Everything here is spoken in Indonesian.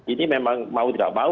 ini memang mau tidak mau